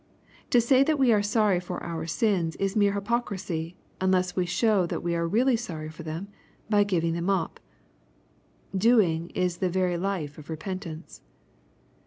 To say that we are sorry for our sins is mere hypocrisy, unless we show that we are really sorry for them, by giving them up. Doing is the very life of repentance.